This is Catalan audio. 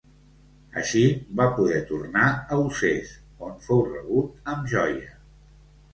Així, va poder tornar a Usès, on fou rebut amb joia.